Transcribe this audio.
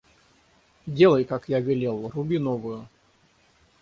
Делай, как я велел, — руби новую.